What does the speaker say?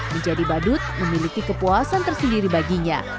menjadi badut memiliki kepuasan tersendiri baginya